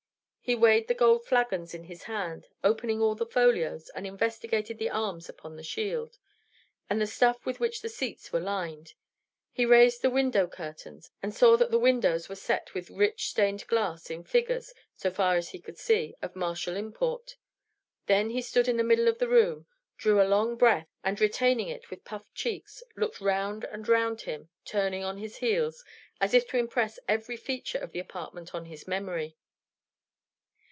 He weighed the gold flagons in his hand, opened all the folios, and investigated the arms upon the shield, and the stuff with which the seats were lined. He raised the window curtains, and saw that the windows were set with rich stained glass in figures, so far as he could see, of martial import. Then he stood in the middle of the room, drew a long breath, and retaining it with puffed cheeks, looked round and round him, turning on his heels, as if to impress every feature of the apartment on his memory.